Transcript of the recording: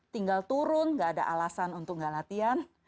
tinggal turun nggak ada alasan untuk gak latihan